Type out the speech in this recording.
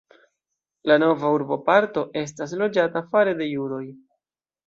La nova urboparto estas loĝata fare de judoj.